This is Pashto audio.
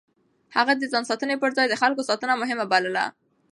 هغه د ځان ساتنې پر ځای د خلکو ساتنه مهمه بلله.